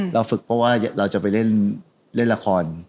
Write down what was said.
เราฝึกเพราะว่าเราจะไปเล่นละคร